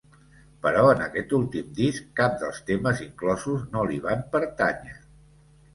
Però en aquest últim disc cap dels temes inclosos no li van pertànyer.